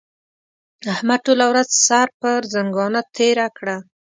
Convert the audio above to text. احمد ټوله ورځ سر پر ځنګانه تېره کړه.